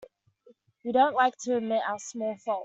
We don't like to admit our small faults.